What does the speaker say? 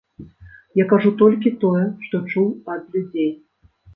Я кажу толькі тое, што чуў ад людзей.